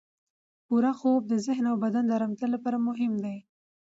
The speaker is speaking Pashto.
پوره خوب د ذهن او بدن د ارامتیا لپاره مهم دی.